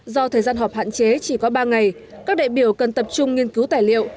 do thời gian họp hạn chế chỉ có ba ngày các đại biểu cần tập trung nghiên cứu tài liệu